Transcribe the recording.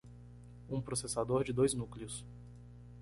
Um processador de dois núcleos.